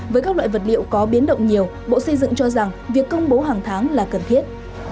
với các loại vật liệu có biến động nhiều bộ xây dựng cho rằng việc công bố hàng tháng là cần thiết